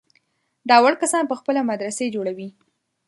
دا وړ کسان په خپله مدرسې جوړوي.